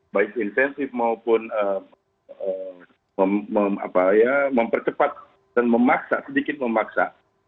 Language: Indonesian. baik insentif maupun mempercepat dan memaksa sedikit memaksa